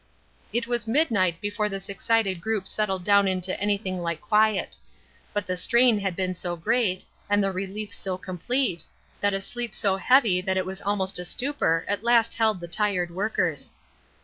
It was midnight before this excited group settled down into anything like quiet. But the strain had been so great, and the relief so complete, that a sleep so heavy that it was almost a stupor at last held the tired workers.